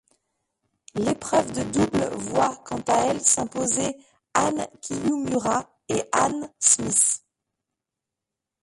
L'épreuve de double voit quant à elle s'imposer Ann Kiyomura et Anne Smith.